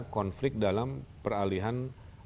konflik dalam peralihan